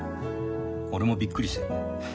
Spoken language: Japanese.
俺もびっくりしてる。